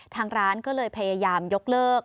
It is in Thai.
ทางร้านก็เลยพยายามยกเลิก